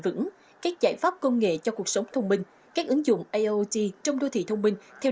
vững các giải pháp công nghệ cho cuộc sống thông minh các ứng dụng iot trong đô thị thông minh theo